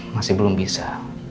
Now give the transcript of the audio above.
masih belum bisa